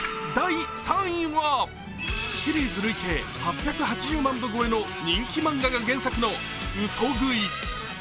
第３位はシリーズ累計８８０万部超えの人気漫画が原作の「嘘喰い」。